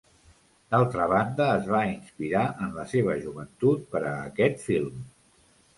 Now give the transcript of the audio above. D'altra banda es va inspirar en la seva joventut per a aquest film.